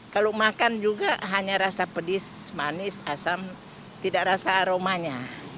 kalau makan juga hanya rasa pedis manis asam tidak rasa aromanya